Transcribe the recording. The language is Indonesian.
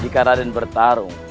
jika ade bertarung